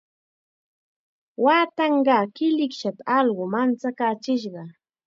Waatanqaa killikshata allqu manchachishqa.